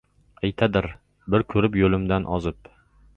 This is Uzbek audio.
Aytadir: «Bir ko’rib, yo’limdan ozib,